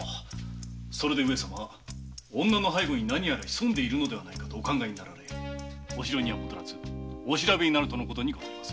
上様は女の背後に何やら潜んでいるとお考えになられお城には戻らずお調べになるとのことにございます。